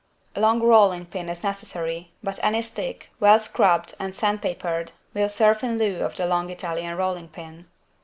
A long rolling pin is necessary, but any stick, well scrubbed and sand papered, will serve in lieu of the long Italian rolling pin.